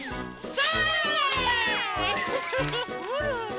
それ。